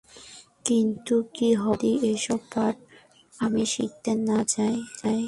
কিন্তু কি হবে যদি এসব পাঠ আমি শিখতে না চাই?